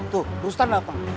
tuh perustan datang